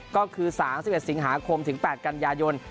ก็คือ๓๑สิงหาคมถึง๘กันยายน